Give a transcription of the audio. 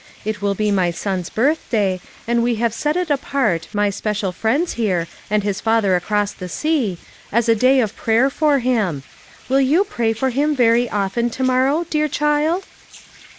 It will be my son's birthday, and we have set it apart, my special friends here, and his father across the sea, as a day of prayer for him. Will you pray for him very often to morrow, dear child?"